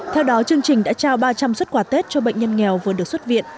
theo đó chương trình đã trao ba trăm linh xuất quà tết cho bệnh nhân nghèo vừa được xuất viện